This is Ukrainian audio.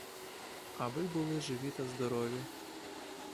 Аби були живі та здорові!